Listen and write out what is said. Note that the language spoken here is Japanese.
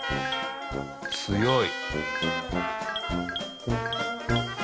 強い。